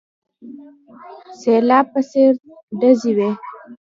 سلاب په څېر ډزې وې.